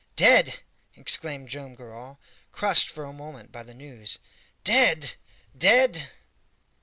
"Dead!" exclaimed Joam Garral, crushed for a moment by the news "dead! dead!"